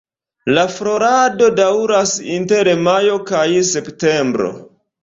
La florado daŭras inter majo kaj septembro.